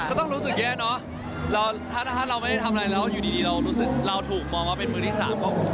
ก็ต้องรู้สึกแย่เนอะถ้าเราไม่ได้ทำอะไรแล้วอยู่ดีเรารู้สึกเราถูกมองว่าเป็นมือที่สามก็